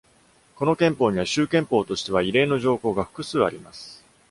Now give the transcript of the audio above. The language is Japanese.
この憲法には、州憲法としては異例の条項が複数あります。